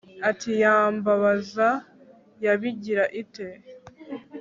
Ati Yambabaza yabigira ite